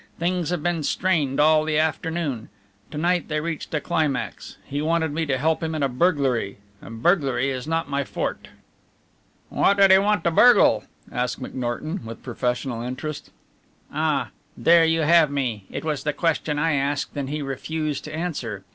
Things have been strained all the afternoon. To night they reached a climax. He wanted me to help him in a burglary and burglary is not my forte." "What did he want to burgle?" asked McNorton, with professional interest. "Ah! There you have me! It was the question I asked and he refused to answer.